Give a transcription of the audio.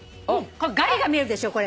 ガリが見えるでしょこれ。